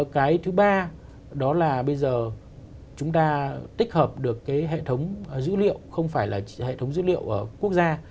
cái thứ ba đó là bây giờ chúng ta tích hợp được cái hệ thống dữ liệu không phải là hệ thống dữ liệu quốc gia